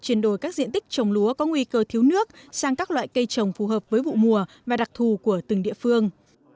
chuyển đổi các diện tích trồng lúa có nguy cơ thiếu nước sang các loại cây trồng phù hợp với vụ mùa và đặc thù của từng địa phương